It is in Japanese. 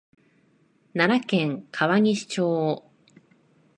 奈良県川西町